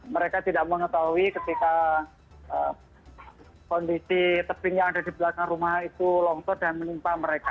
mereka tidak mengetahui ketika kondisi tebing yang ada di belakang rumah itu longsor dan menimpa mereka